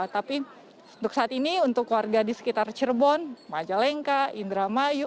tapi untuk saat ini untuk warga di sekitar cirebon majalengka indramayu